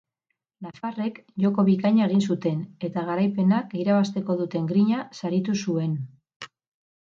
Nafarrek joko bikaina egin zuten, eta garaipenak irabazteko duten grina saritu zuen.